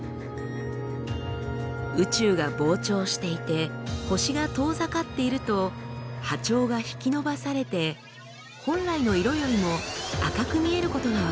宇宙が膨張していて星が遠ざかっていると波長が引きのばされて本来の色よりも赤く見えることが分かっています。